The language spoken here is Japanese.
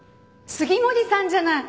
杉森さんじゃない。